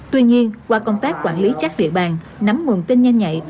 tuy nhiên qua công tác quản lý chắc địa bàn nắm nguồn tin nhanh nhạy